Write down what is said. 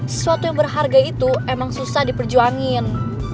sesuatu yang berharga itu emang susah diperjuangin